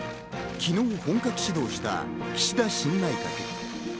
昨日、本格始動した岸田新内閣。